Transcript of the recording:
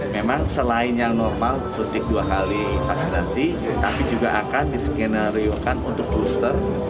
memang selain yang normal suntik dua kali vaksinasi tapi juga akan diskenariokan untuk booster